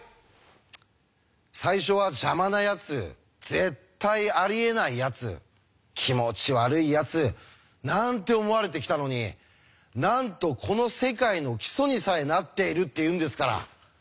最初は邪魔なやつ絶対ありえないやつ気持ち悪いやつなんて思われてきたのになんとこの世界の基礎にさえなっているっていうんですから。